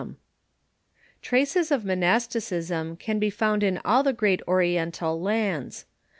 ] Traces of moiiasticism can be found in all the great Orien tal lands.